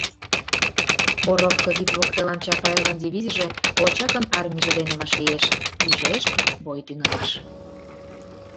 Боровко вӱд воктелан Чапаевын дивизийже Колчакын армийже дене вашлиеш, пижеш, бой тӱҥалаш.